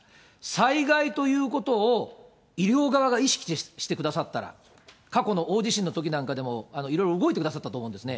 災害ということを医療側が意識してくださったら、過去の大地震のときなんかでもいろいろ動いてくださったと思うんですね。